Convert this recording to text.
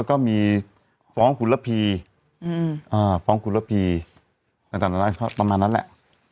แล้วก็มีฟ้องคุณณพีประมาณนั้นเลย